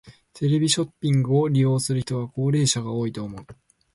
テレビショッピングを利用する人は高齢者が多いと思う。